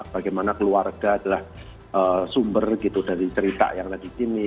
bagaimana keluarga adalah sumber gitu dari cerita yang ada di sini